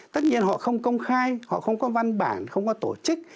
tất nhiên họ không công khai họ không có văn bản không có tổ chức